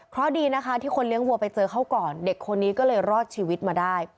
เพราะดีนะคะที่คนเลี้ยงวัวไปเจอเขาก่อนเด็กคนนี้ก็เลยรอดชีวิตมาได้